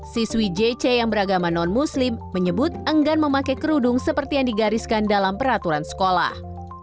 siswi jc yang beragama non muslim menyebut enggan memakai kerudung seperti yang digariskan dalam peraturan sekolah